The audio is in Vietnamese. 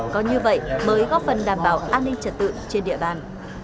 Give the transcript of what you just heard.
có như vậy mới góp phần đảm bảo an ninh trật tự trên địa bàn